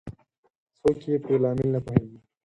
څوک یې په لامل نه پوهیږي